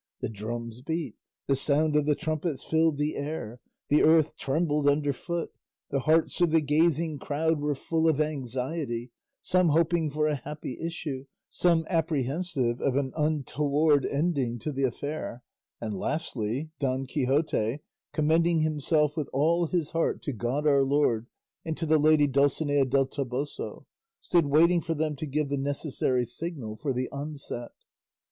The drums beat, the sound of the trumpets filled the air, the earth trembled under foot, the hearts of the gazing crowd were full of anxiety, some hoping for a happy issue, some apprehensive of an untoward ending to the affair, and lastly, Don Quixote, commending himself with all his heart to God our Lord and to the lady Dulcinea del Toboso, stood waiting for them to give the necessary signal for the onset.